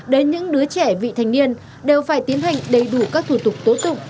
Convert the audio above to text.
đến những đứa trẻ vị thanh niên đều phải tiến hành đầy đủ các thủ tục tố tục